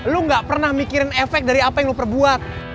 lu gak pernah mikirin efek dari apa yang lo perbuat